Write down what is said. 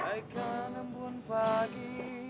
baikkan lembun pagi